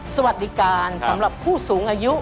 สวัสดีการสำหรับผู้สูงอายุ